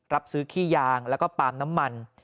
รับซื้อขี้ยางแล้วก็ปาล์มน้ำมัน